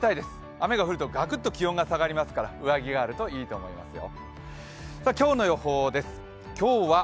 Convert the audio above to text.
雨が降るとガクッと気温が下がりますから上着があるといいと思いますよ。